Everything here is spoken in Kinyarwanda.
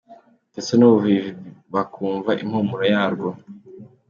Ndetse n’ubuvivi bakumva impumuro yarwo !.